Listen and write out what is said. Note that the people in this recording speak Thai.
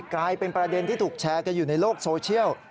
กลายเป็นประเด็นที่ถูกแชร์กันอยู่ในโลกโซเชียล